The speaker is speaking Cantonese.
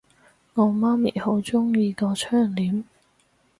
我媽咪好鍾意個窗簾